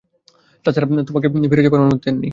তা ছাড়া, আমাকে তো ফিরে যাবার অনুমতি দেন নি।